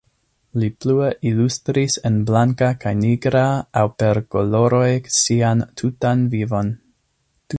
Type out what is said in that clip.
Li plue ilustris en blanka kaj nigra aŭ per koloroj sian tutan vivon.